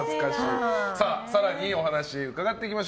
更に、お話を伺っていきます。